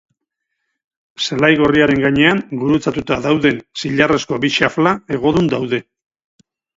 Zelai gorriaren gainean, gurutzatuta dauden zilarrezko bi xafla hegodun daude.